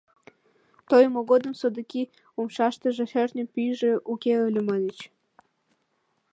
Тойымо годым содыки умшаштыже шӧртньӧ пӱйжӧ уке ыле, маньыч.